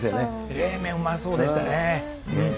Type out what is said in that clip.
冷麺、うまそうでしたね。